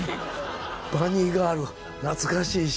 バニーガール懐かしいし。